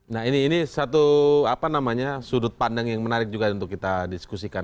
nah ini satu sudut pandang yang menarik juga untuk kita diskusikan